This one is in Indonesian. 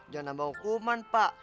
jangan nambah hukuman pak